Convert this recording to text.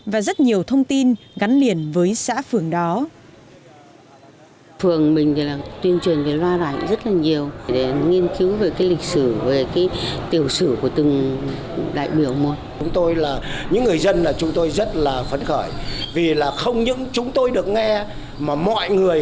và rất nhiều thông tin gắn liền với xã phường đó